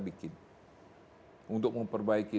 bikin untuk memperbaiki